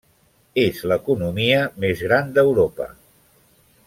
És l'economia més gran d'Europa.